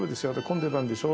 混んでたんでしょ？